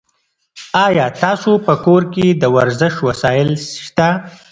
ایا ستاسو په کور کې د ورزش وسایل شته؟